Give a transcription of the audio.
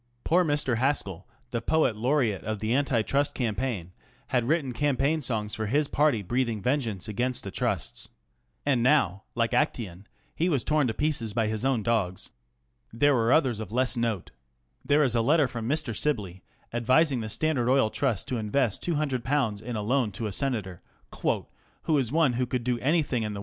Poor Mr. Haskell, the Poet Laureate of the Anti Trust campaign, had written campaign songs for his party breathing vengeance against the Trusts. And now, like Actxon, he was torn to pieces by his own dogs. There were others of less note. There is a letter from Mr. Sibley advising the Standard Oil Trust to invest ┬Ż100 in a loan to a senator " who is one who would do anything in the 338 The Review of Reviews.